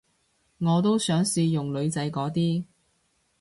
我都想試用女仔嗰啲